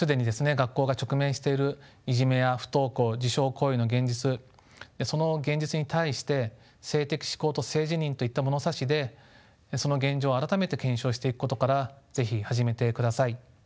学校が直面しているいじめや不登校自傷行為の現実その現実に対して性的指向と性自認といった物差しでその現状を改めて検証していくことから是非始めてください。